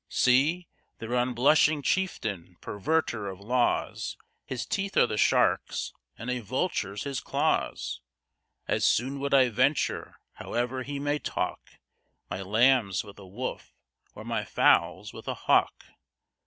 See! their unblushing chieftain! perverter of laws! His teeth are the shark's, and a vulture's his claws As soon would I venture, howe'er he may talk, My lambs with a wolf, or my fowls with a hawk.